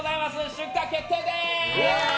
出荷決定です！